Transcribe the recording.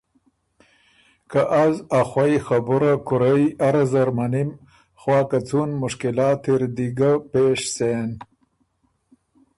که از ا خوَئ خبره کُورئ اره زر مَنِم خوا که څُون مشکلات اِر دی ګۀ پېش سېن۔